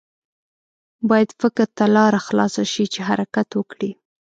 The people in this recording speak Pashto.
باید فکر ته لاره خلاصه شي چې حرکت وکړي.